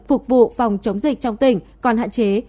phục vụ phòng chống dịch trong tỉnh còn hạn chế